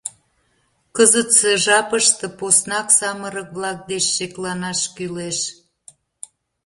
Кызытсе жапыште, поснак самырык-влак деч, шекланаш кӱлеш.